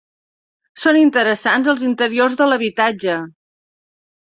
Són interessants els interiors de l'habitatge.